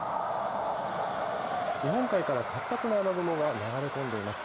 日本海から活発な雨雲が流れ込んでいます。